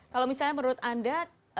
kalau misalnya menurut anda